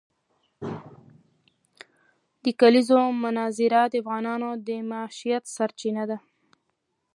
د کلیزو منظره د افغانانو د معیشت سرچینه ده.